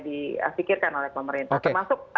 disikirkan oleh pemerintah termasuk